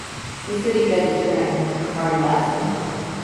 The city judge is currently Marty Lasley.